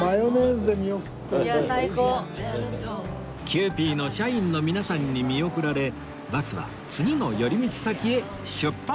キユーピーの社員の皆さんに見送られバスは次の寄り道先へ出発！